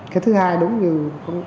cái thứ hai đúng như